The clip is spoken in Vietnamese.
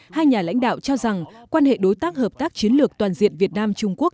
hai nhà lãnh đạo cho rằng quan hệ đối tác hợp tác chiến lược toàn diện việt nam trung quốc